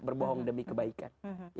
berbohong demi kebaikan